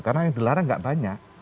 karena yang dilarang gak banyak